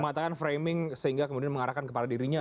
mematakan framing sehingga kemudian mengarahkan kepala dirinya